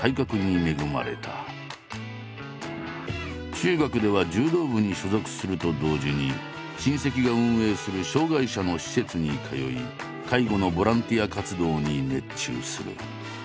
中学では柔道部に所属すると同時に親戚が運営する障害者の施設に通い介護のボランティア活動に熱中する。